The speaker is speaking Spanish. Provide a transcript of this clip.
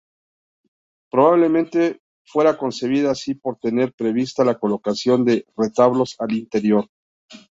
Probablemente fuera concebida así por tener prevista la colocación de retablos al interior.